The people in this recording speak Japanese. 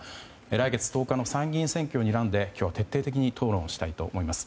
来月１０日の参議院選挙をにらんで今日は徹底的に討論したいと思います。